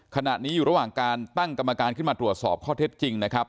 ขณะนี้อยู่ระหว่างการตั้งกรรมการขึ้นมาตรวจสอบข้อเท็จจริงนะครับ